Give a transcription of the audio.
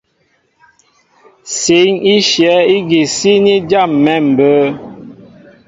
Sǐn í shyɛ̌ ígi síní jâm̀ɛ̌ mbə̌.